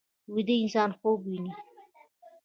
ویده انسان خوب ویني